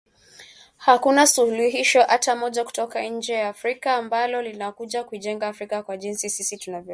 Hakuna suluhisho hata moja kutoka nje ya Afrika ambalo linakuja kuijenga Afrika kwa jinsi sisi tunavyotaka